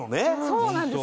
そうなんです。